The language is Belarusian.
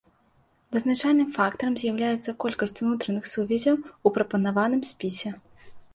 Вызначальным фактарам з'яўляецца колькасць унутраных сувязяў у прапанаваным спісе.